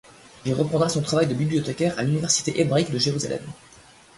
Il reprendra son travail de bibliothécaire à l'Université hébraïque de Jérusalem.